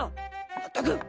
まったく！